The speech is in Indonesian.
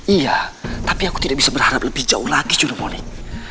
iya tapi aku tidak bisa berharap lebih jauh lagi sudah monik